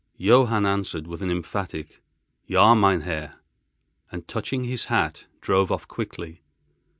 Johann answered with an emphatic, "Ja, mein Herr," and, touching his hat, drove off quickly.